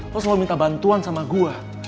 lo selalu minta bantuan sama gue